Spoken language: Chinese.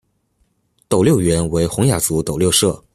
斗六原为洪雅族斗六社。